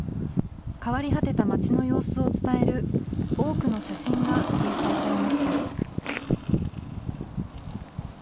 変わり果てたまちの様子を伝える多くの写真が掲載されました。